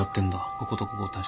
こことここを足して。